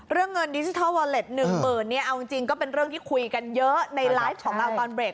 เรื่องเงินดิจิทัลวอเล็ต๑หมื่นเนี่ยเอาจริงก็เป็นเรื่องที่คุยกันเยอะในไลฟ์ของเราตอนเบรก